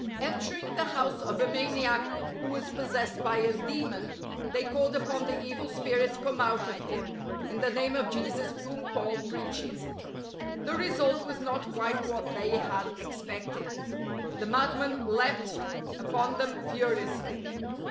Entering the house of a maniac who was possessed by a demon, they called upon the evil spirit to come out of him —" in the name of Jesus whom Paul preaches." The result was not quite what they had expected. The madman leaped upon them furiously.